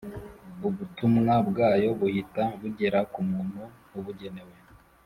ubutumwa bwayo buhita bugera ku muntu ubugenewe